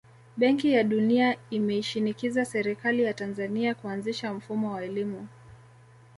Benki ya dunia imeishinikiza serikali ya Tanzania kuanzisha mfumo wa elimu